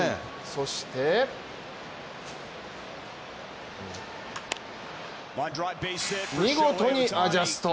そして、見事にアジャスト。